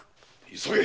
急げ。